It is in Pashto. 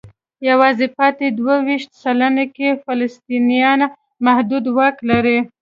یوازې پاتې دوه ویشت سلنه کې فلسطینیان محدود واک لري.